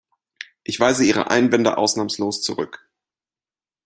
Ich weise Ihre Einwände ausnahmslos zurück" .